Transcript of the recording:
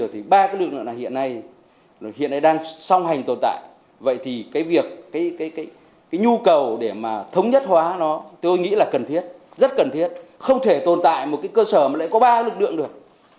thống nhất hóa nó tôi nghĩ là cần thiết rất cần thiết không thể tồn tại một cơ sở mà lại có ba lực lượng được